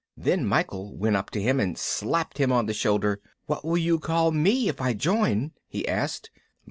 Then Michael went up to him and slapped him on the shoulder. "What will you call me if I join?" he asked.